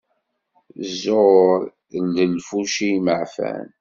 Ẓẓur d lfuci imeεfan.